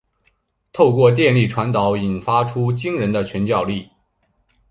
透过电力传导引发出惊人的拳脚力。